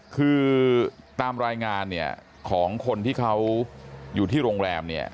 คือตามรายงานของคนที่เขาอยู่ที่โรงแรม